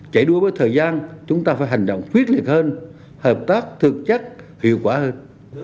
chạy đua với thời gian chúng ta phải hành động quyết liệt hơn hợp tác thực chất hiệu quả hơn